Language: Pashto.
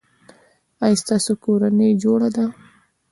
ایا ستاسو کورنۍ جوړه ده؟